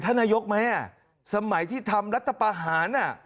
พระบาดก็คุยกับท่านะยกไหมสมัยที่ทำรัฐประหาร